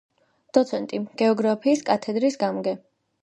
დოცენტი, გეოგრაფიის კათედრის გამგე.